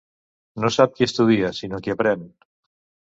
No sap qui estudia, sinó qui aprèn.